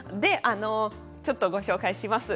ちょっとご紹介します。